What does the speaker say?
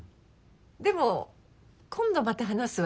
でも今度また話すわ。